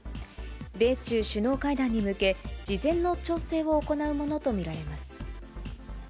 米中首脳会談に向け、事前の調整を行うものと見られます。